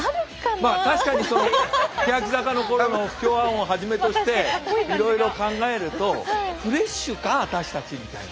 まあ確かにその欅坂の頃の「不協和音」をはじめとしていろいろ考えると「フレッシュか？私たち」みたいな。